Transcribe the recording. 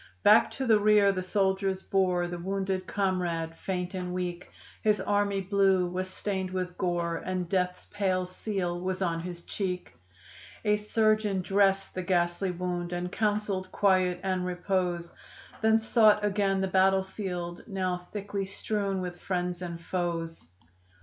Back to the rear the soldiers bore The wounded comrade, faint and weak; His "army blue" was stained with gore, And death's pale seal was on his cheek. A surgeon dressed the ghastly wound And counseled quiet and repose, Then sought again the battleground, Now thickly strewn with friends and foes.